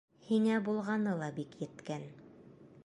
— Һиңә булғаны ла бик еткән...